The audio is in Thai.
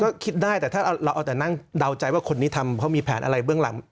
ก็คิดได้แต่ถ้าเราเอาแต่นั่งเดาใจว่าคนนี้ทำเขามีแผนอะไรเบื้องหลัง